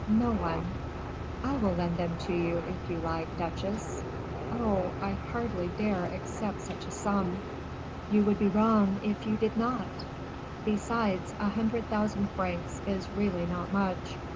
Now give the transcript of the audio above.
"No one." "I will lend them to you, if you like, duchesse." "Oh, I hardly dare accept such a sum." "You would be wrong if you did not. Besides, a hundred thousand francs is really not much.